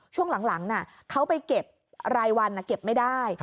ช่วงหลังเขาไปเก็บรายวันเก็บไม่ได้